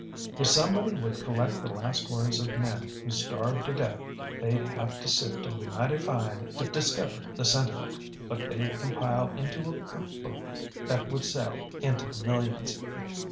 If somebody would collect the last words of men who starved to death, theyŌĆÖd have to sift ŌĆÖem mighty fine to discover the sentiment, but theyŌĆÖd compile into a cook book that would sell into the millions.